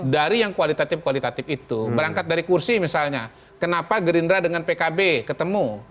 dari yang kualitatif kualitatif itu berangkat dari kursi misalnya kenapa gerindra dengan pkb ketemu